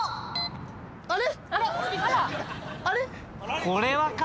あれ？